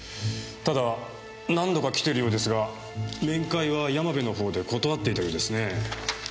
ただ何度か来てるようですが面会は山部のほうで断っていたようですね。